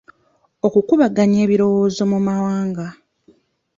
Okukubaganya ebirowoozo mu mawanga.